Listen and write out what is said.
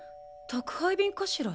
宅配便かしら？